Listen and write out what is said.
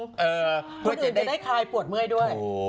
คนอื่นจะได้คลายปวดเมื่อยด้วย